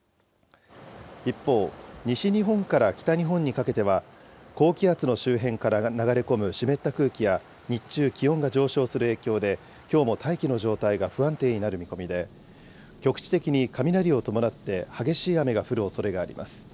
一方、西日本から北日本にかけては、高気圧の周辺から流れ込む湿った空気や、日中、気温が上昇する影響で、きょうも大気の状態が不安定になる見込みで、局地的に雷を伴って激しい雨が降るおそれがあります。